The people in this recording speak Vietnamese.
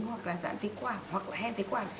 hoặc là giãn phế quản hoặc là hen phế quản